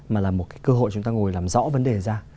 mà là một cái cơ hội chúng ta ngồi làm rõ vấn đề ra